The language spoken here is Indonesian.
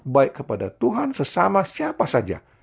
baik kepada tuhan sesama siapa saja